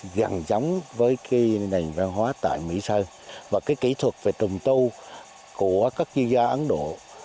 gần giống với cái nền văn hóa tại mỹ sơn và cái kỹ thuật về trùng tu của các chuyên gia ấn độ